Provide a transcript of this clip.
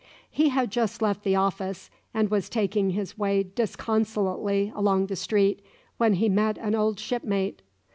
He had just left the office, and was taking his way disconsolately along the street, when he met an old shipmate.